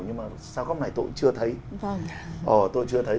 nhưng mà sao góc này tôi cũng chưa thấy